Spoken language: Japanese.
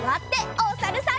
おさるさん。